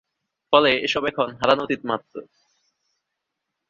ফলে এসব এখন হারানো অতীত মাত্র।